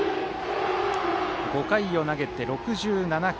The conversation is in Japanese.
５回を投げて６７球。